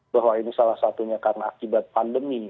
bahwa ini salah satunya karena akibat pandemi